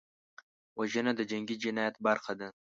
وژنه د جنګي جنایت برخه ده